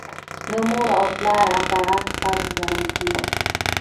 د مور او پلار اطاعت فرض ګڼل کیږي.